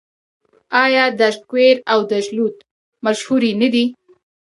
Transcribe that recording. آیا دشت کویر او دشت لوت مشهورې نه دي؟